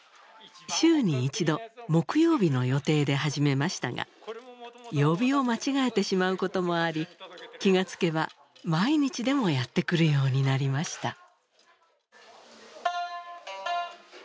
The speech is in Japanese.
週に１度木曜日の予定で始めましたが曜日を間違えてしまうこともあり気が付けば毎日でもやって来るようになりました。